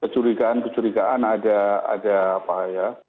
kecurigaan kecurigaan ada apa ya